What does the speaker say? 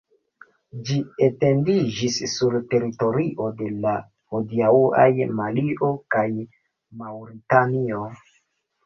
Ĝi etendiĝis sur teritorio de la hodiaŭaj Malio kaj Maŭritanio.